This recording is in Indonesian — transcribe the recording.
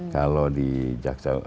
kalau di jaksa